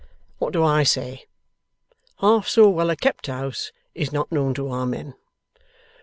What do I say? Half so well a kept house is not known to our men.